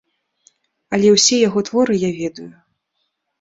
Але ўсе яго творы я ведаю.